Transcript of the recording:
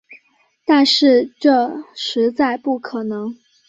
但是这实在不可能